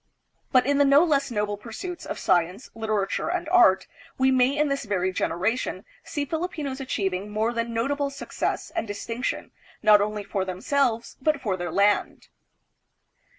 But in the no less noble pursuits of science, literature, and art, we may in this very generation see Filipinos achieving more than notable success and dis tinction, not only for themselves but for their land.